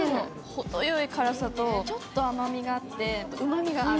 ほどよい辛さとちょっと甘みがあって、うまみがある。